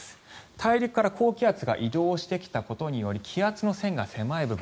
大陸から高気圧が移動してきたことにより気圧の線が狭い部分。